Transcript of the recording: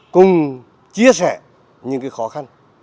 cùng chia sẻ những cái khó khăn